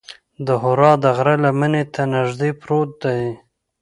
د حرا د غره لمنې ته نږدې پروت دی.